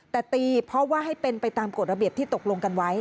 แต่ตีเพราะว่าให้เป็นไปตามกฎระเบียบที่ตกลงกันไว้